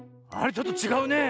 ちょっとちがうねえ。